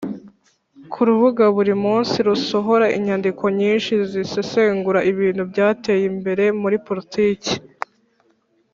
kurubuga buri munsi, dusohora inyandiko nyinshi zisesengura ibintu byateye imbere muri politiki